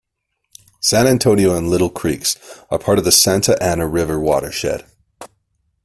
San Antonio and Lytle Creeks are part of the Santa Ana River watershed.